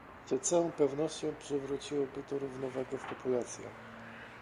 Z całą pewnością przywróciłoby to równowagę w populacjach